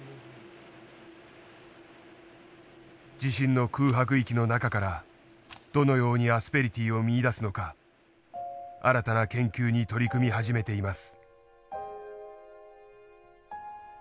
地震の空白域の中からどのようにアスペリティーを見いだすのか新たな研究に取り組み始めています。